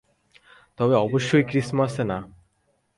তবে অবশ্যই ক্রিসমাসে না।